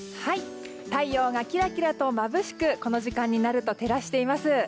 太陽がキラキラとまぶしくこの時間になると照らしています。